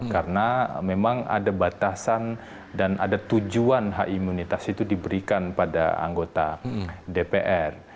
karena memang ada batasan dan ada tujuan hak imunitas itu diberikan pada anggota dpr